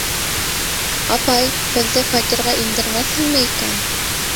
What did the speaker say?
Апай, беҙҙе фатирға индермәҫһеңме икән?